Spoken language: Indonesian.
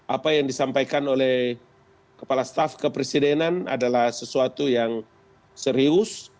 apa yang disampaikan oleh kepala staff kepresidenan adalah sesuatu yang serius